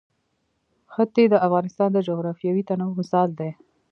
ښتې د افغانستان د جغرافیوي تنوع مثال دی.